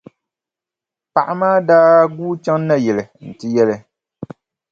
Paɣa maa daa guui chaŋ nayili n-ti yɛli.